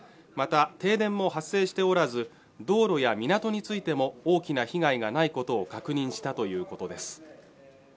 また停電も発生しておらず道路や港についても大きな被害がないことを確認したということです